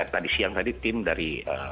tadi siang tadi tim dari